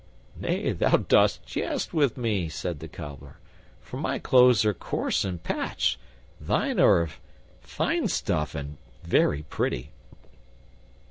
"Nay, thou dost jest with me," said the Cobbler, "for my clothes are coarse and patched, and thine are of fine stuff and very pretty."